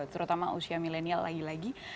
terutama usia milenial lagi lagi